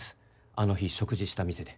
あの日食事した店で。